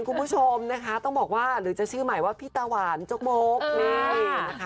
คุณผู้ชมต้องบอกว่าหรือชื่อหมายว่าพี่ตาวันจระปก